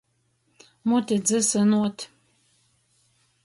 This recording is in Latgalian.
Muti dzysynuot.